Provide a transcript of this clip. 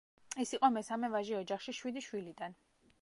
ის იყო მესამე ვაჟი ოჯახში შვიდი შვილიდან.